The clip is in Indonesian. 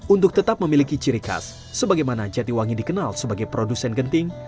untuk tetap memiliki ciri khas sebagaimana jatiwangi dikenal sebagai produsen genting